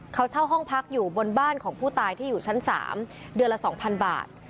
เขาเช่าห้องพักอยู่บนบ้านของผู้ตายที่อยู่ชั้น๓เดือนละ๒๐๐บาท